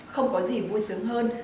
không có gì vui sướng hơn